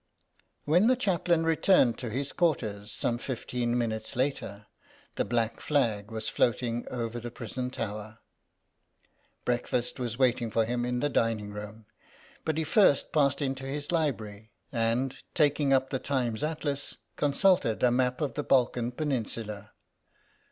When the Chaplain returned to his quarters some fifteen minutes later, the black flag was floating over the prison tower. Breakfast was waiting for him in the dining room, but he first passed into his library, and, taking up the Times Atlas, consulted a map of the Balkan Peninsula.